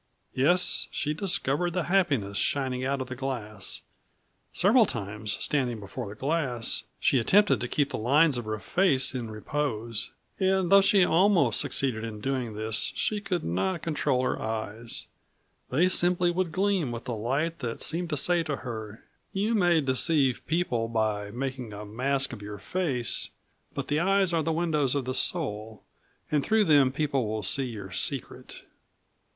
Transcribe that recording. Yes, she discovered the happiness shining out of the glass. Several times, standing before the glass, she attempted to keep the lines of her face in repose, and though she almost succeeded in doing this she could not control her eyes they simply would gleam with the light that seemed to say to her: "You may deceive people by making a mask of your face, but the eyes are the windows of the soul and through them people will see your secret."